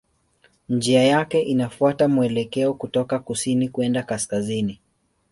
Njia yake inafuata mwelekeo kutoka kusini kwenda kaskazini.